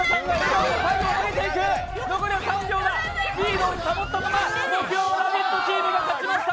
リードを保ったまま木曜ラヴィットチームが勝ちました。